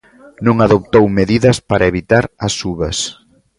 Non adoptou medidas para evitar as subas.